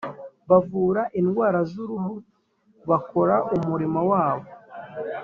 Bavura indwara z uruhu bakora umurimo wabo